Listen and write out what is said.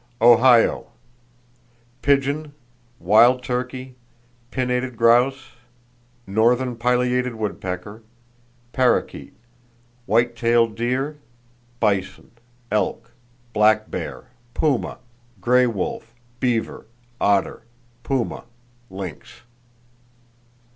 Ohio: Pigeon, wild turkey, pinnated grouse, northern pileated woodpecker, parrakeet; white tailed deer, bison, elk, black bear, puma, gray wolf, beaver, otter, puma, lynx.